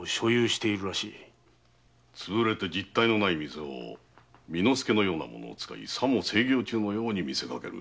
潰れて実体のない店を巳之助のような者を使いさも盛業中のように見せかける。